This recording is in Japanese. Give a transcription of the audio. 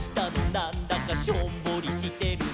なんだかしょんぼりしてるね」